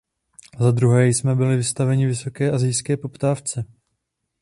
Zadruhé jsme byli vystaveni vysoké asijské poptávce.